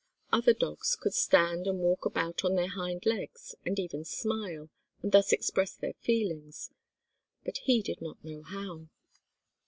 Other dogs could stand and walk about on their hind legs and even smile, and thus express their feelings, but he did not know how.